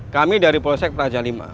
kami dari polsek praja v